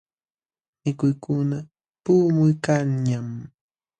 Mikuykuna puqumuykanñam.